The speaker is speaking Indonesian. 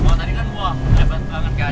kalau tadi kan wah hebat banget kan